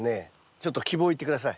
ちょっと希望を言って下さい。